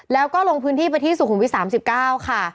แล้วก็ลงพื้นที่ไปที่สุขุมวิท๓๙ค่ะ